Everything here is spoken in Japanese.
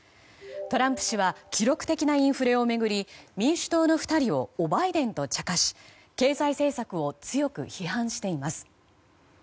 トランプ氏は記録的なインフレを巡り民主党の２人をオバイデンと茶化し経済政策を強く批判しています。